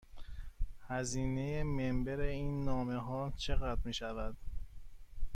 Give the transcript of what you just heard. هزینه مبر این نامه ها چقدر می شود؟